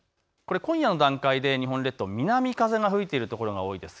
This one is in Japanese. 今夜の段階で日本列島、南風が吹いているところが多いです。